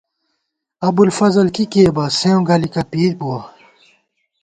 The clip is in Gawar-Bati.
ابُوالفضل کی کېئ بہ ، سېوں گَلِکہ پېئ بُوَہ